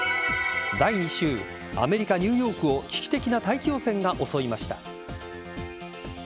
第２週アメリカ・ニューヨークを危機的な大気汚染が襲いました。